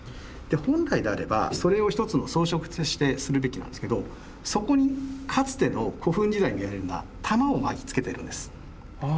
本来であればそれを一つの装飾としてするべきなんですけどそこにかつての古墳時代にやるような玉を巻き付けてるんです。